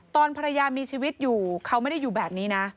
ตอนภรรยามีชีวิตอยู่เขาไม่ได้อยู่แบบนี้นะ